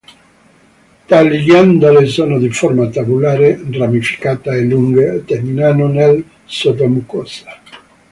Tali ghiandole sono di forma tubulare ramificata e lunghe, terminano nel sottomucosa.